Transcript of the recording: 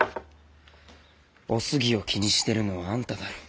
お杉を気にしてるのはあんただろ。